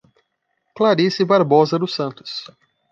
Clarice Barbosa dos Santos